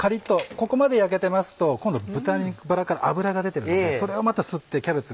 ここまで焼けてますと今度豚バラから脂が出てるのでそれをまた吸ってキャベツが。